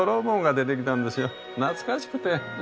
懐かしくて。